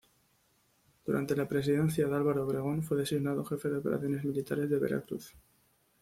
Durante la presidencia de Álvaro Obregón fue designado jefe de operaciones militares de Veracruz.